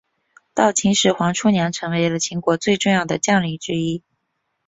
到秦始皇初年成为了秦国最重要的将领之一。